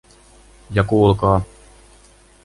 Ja kuulkaa.